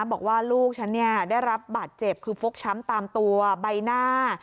บอกว่าลูกฉันได้รับบาดเจ็บคือฟกช้ำตามตัวใบหน้า